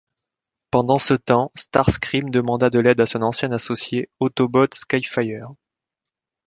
Pendant ce temps Starscream demanda de l'aide à son ancien associé Autobot Skyfire.